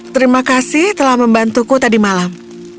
terima kasih telah membantuku tadi malam